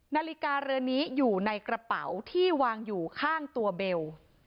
นาฬิกาเรือนี้อยู่ในกระเป๋าที่วางอยู่ข้างตัวเบล